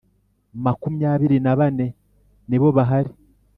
Makumyabiri n ‘abane nibo bahari.